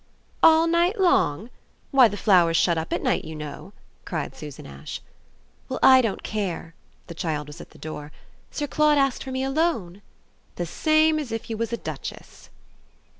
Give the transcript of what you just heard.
"All night long? Why the flowers shut up at night, you know!" cried Susan Ash. "Well, I don't care" he child was at the door. "Sir Claude asked for me ALONE?" "The same as if you was a duchess."